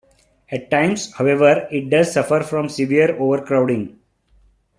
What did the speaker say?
At times, however, it does suffer from severe overcrowding.